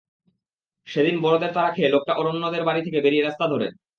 সেদিন বড়দের তাড়া খেয়ে লোকটা অরণ্যদের বাড়ি থেকে বেরিয়ে রাস্তা ধরে।